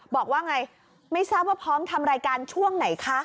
บอกว่าไงไม่ทราบว่าพร้อมทำรายการช่วงไหนคะ